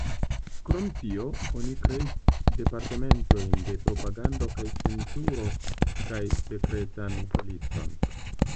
Krom tio, oni kreis departementojn de propagando kaj cenzuro kaj sekretan policon.